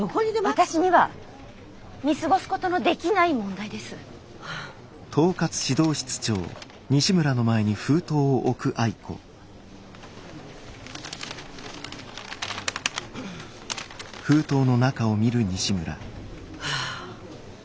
私には見過ごすことのできない問題です。はあ。はあ。